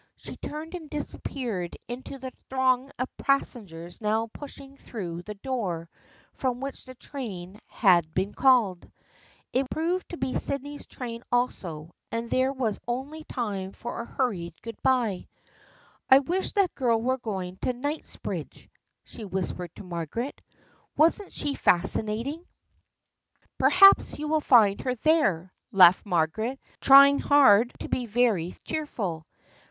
She turned and disappeared in the throng of passengers now pushing through the door from which the train had been called. It proved to be Sydney's train also and there was only time for a hurried good bye. " I wish that girl were going to Kingsbridge," she whispered to Margaret. " Wasn't she fasci nating?" " Perhaps you will find her there !" laughed Margaret, trying hard to be very cheerful.